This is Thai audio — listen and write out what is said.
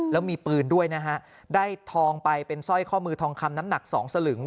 แล้วมีปืนด้วยนะฮะได้ทองไปเป็นสร้อยข้อมือทองคำน้ำหนักสองสลึง